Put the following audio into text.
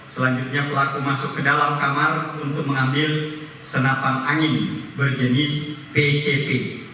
selanjutnya pelaku masuk ke dalam kamar untuk mengambil senapan angin berjenis pcp